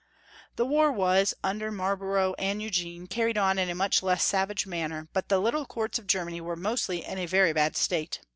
The war was, under Marlborough and Eugene, carried on in a much less savage manner, but the little courts of Germany were mostly in a very bad state.